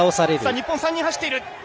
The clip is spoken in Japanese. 日本３人走っている。